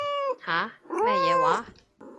吓？咩嘢話？